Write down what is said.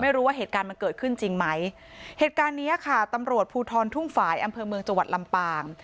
ไม่รู้ว่าเหตุการณ์มันเกิดขึ้นจริงไหมเหตุการณ์เนี้ยค่ะตำรวจภูทรทุ่งฝ่ายอำเภอเมืองจังหวัดลำปาง